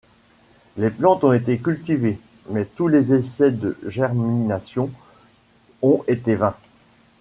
Les plantes ont été cultivées mais tous les essais de germination ont été vains.